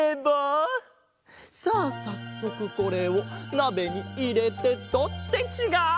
さっそくこれをなべにいれてと。ってちがう！